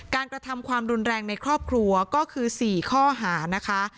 กระทำความรุนแรงในครอบครัวก็คือ๔ข้อหานะคะ